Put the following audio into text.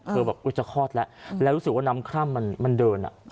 แบบจะคลอดแล้วแล้วรู้สึกว่าน้ำคร่ำมันเดิน